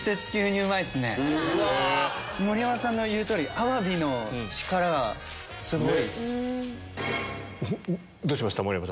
盛山さんの言う通りアワビの力がすごい。